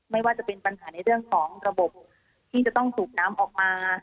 ไม่ว่าจะเป็นปัญหาในเรื่องของระบบที่จะต้องสูบน้ำออกมา